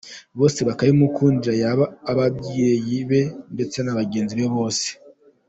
Bose bakabimukundira ,yaba ababyeyi be ndetse na bagenzi be bose.